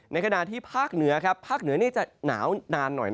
ในขณะที่ภาคเหนือก็จะหนาวหน่านหน่อย